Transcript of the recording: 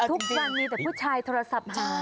ทุกวันมีแต่ผู้ชายโทรศัพท์หา